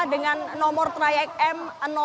dengan nomor trayek m tujuh